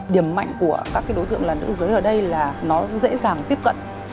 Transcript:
điểm mạnh của các đối tượng là nữ giới ở đây là nó dễ dàng tiếp cận